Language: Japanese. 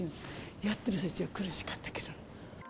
やっている最中は苦しかったけど。